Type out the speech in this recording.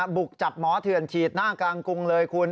บุกจับหมอเถื่อนฉีดหน้ากลางกรุงเลยคุณ